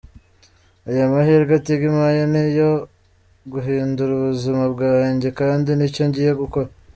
Aya mahirwe Tigo impaye ni ayo guhindura ubuzima bwanjye kandi ni cyo ngiye gukora.